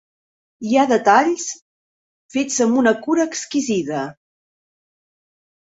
Hi ha detalls fets amb una cura exquisida.